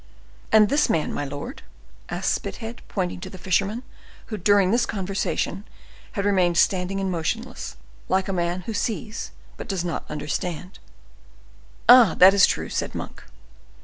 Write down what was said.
"And this man, my lord?" said Spithead, pointing to the fisherman, who, during this conversation, had remained standing and motionless, like a man who sees but does not understand. "Ah, that is true," said Monk.